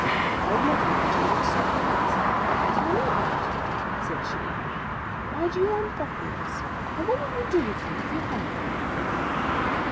"Old Mother Nature looked surprised. 'Tell me all about it,' said she. 'Why do you want pockets, and what would you do with them if you had them?'